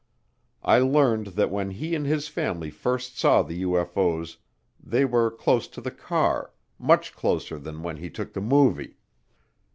I learned that when he and his family first saw the UFO's they were close to the car, much closer than when he took the movie.